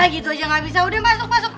gitu aja gak bisa udah masuk masuk